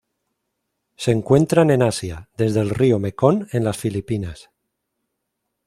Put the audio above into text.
Se encuentran en Asia: desde el río Mekong en las Filipinas.